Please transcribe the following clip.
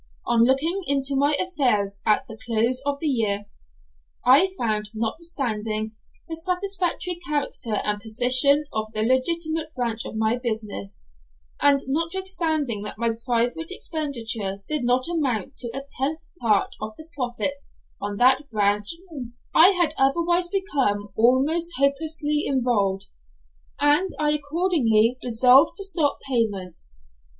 On looking into my affairs at the close of the year, I found, notwithstanding the satisfactory character and position of the legitimate branch of my business, and notwithstanding that my private expenditure did not amount to a tenth part of the profits on that branch, I had otherwise become almost hopelessly involved, and I accordingly resolved to stop payment.